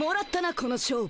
この勝負。